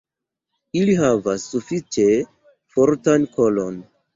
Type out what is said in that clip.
Ili havas sufiĉe fortan kolon.